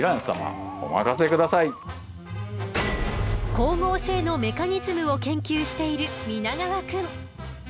光合成のメカニズムを研究している皆川くん。